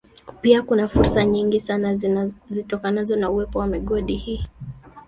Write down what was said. Pia kuna fursa nyingi sana zitokanazo na uwepo wa migodi hii